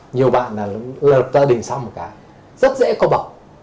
nhiều bạn là lợt gia đình xong một cái rất dễ có bỏng